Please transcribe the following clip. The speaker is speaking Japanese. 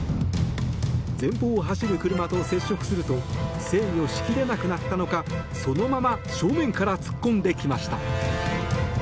前方を走る車と接触すると制御しきれなくなったのかそのまま正面から突っ込んできました。